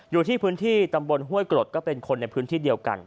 อยู่ที่พื้นที่ตำบลห้วยกรดก็เป็นคนในพื้นที่เดียวกัน